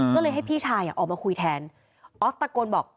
อ๋อแล้วเลยให้พี่ชายอ๋อออกมาคุยแทนอฟตะโกรนบอก